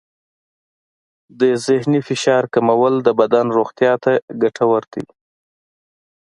د ذهني فشار کمول د بدن روغتیا ته ګټور دی.